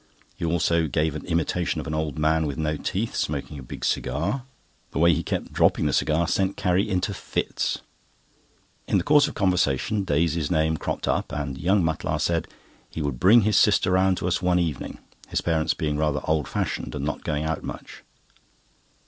He also gave an imitation of an old man with no teeth, smoking a big cigar. The way he kept dropping the cigar sent Carrie into fits. In the course of conversation, Daisy's name cropped up, and young Mutlar said he would bring his sister round to us one evening—his parents being rather old fashioned, and not going out much.